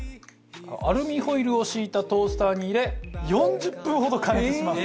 アルミホイルを敷いたトースターに入れ４０分ほど加熱します。